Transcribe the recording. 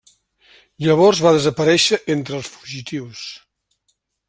Llavors va desaparèixer entre els fugitius.